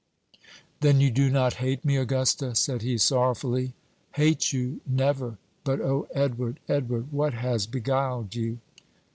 "Then you do not hate me, Augusta?" said he, sorrowfully. "Hate you never! But, O Edward, Edward, what has beguiled you?"